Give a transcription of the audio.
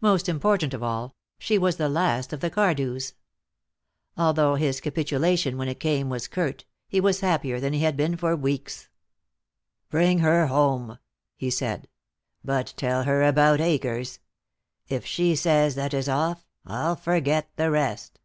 Most important of all, she was the last of the Cardews. Although his capitulation when it came was curt, he was happier than he had been for weeks. "Bring her home," he said, "but tell her about Akers. If she says that is off, I'll forget the rest."